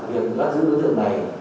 việc bắt giữ đối tượng này